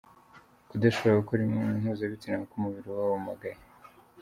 Kudashobora gukora imibonano mpuzabitsina kuko umubiri uba wumagaye.